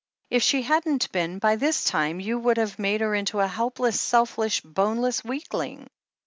If she hadn't been, by this time you would have made her into a helpless, selfish, boneless weakling.